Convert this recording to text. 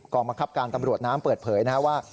บังคับการตำรวจน้ำเปิดเผยนะครับว่า